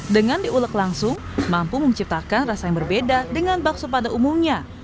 dengan diulek langsung mampu menciptakan rasa yang berbeda dengan bakso pada umumnya